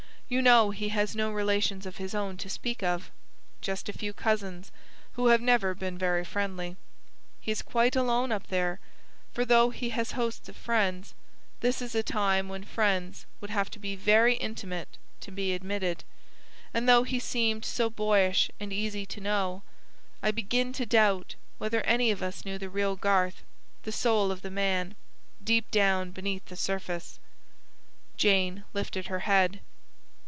You know, he has no relations of his own, to speak of; just a few cousins, who have never been very friendly. He is quite alone up there; for, though he has hosts of friends, this is a time when friends would have to be very intimate to be admitted; and though he seemed so boyish and easy to know, I begin to doubt whether any of us knew the real Garth the soul of the man, deep down beneath the surface." Jane lifted her head.